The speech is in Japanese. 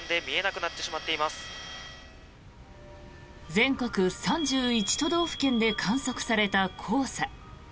全国３１都道府県で観測された黄砂。